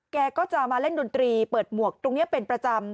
แกก็จะมาเล่นดนตรีเปิดหมวกตรงนี้เป็นประจำ